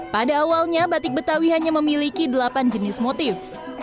pada awalnya batik betawi hanya memiliki delapan jenis motif